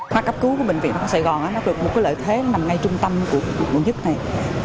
mặt cấp cứu của bệnh viện đao khoa sài gòn được một lợi thế nằm ngay trung tâm của quận một này